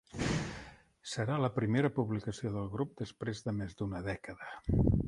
Serà la primera publicació del grup després de més d'una dècada.